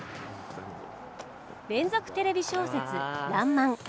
「連続テレビ小説らんまん」